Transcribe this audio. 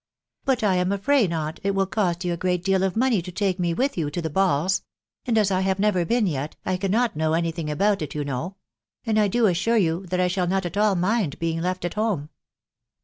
" But I am afraid, aunt, it will cost you a great deal of money to take me with you to the balls ; and as I have never been yet, I cannot know any thing about it, you know ; and I do assure you that I shall not at all mind being left at home."